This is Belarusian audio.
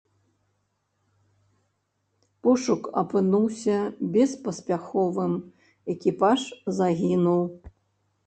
Пошук апынуўся беспаспяховым, экіпаж загінуў.